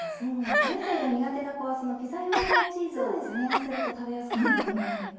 お野菜が苦手な子はそのピザ用のチーズをのせると食べやすくなるとお野菜がね。